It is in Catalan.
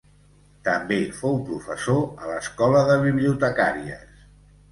També fou professor a l'Escola de Bibliotecàries.